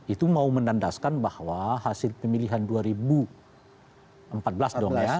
itu mau menandaskan bahwa hasil pemilihan dua ribu empat belas dong ya